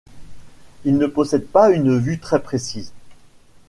Il ne possède pas une vue très précise.